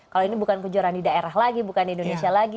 kalau ini bukan kejuaraan di daerah lagi bukan di indonesia lagi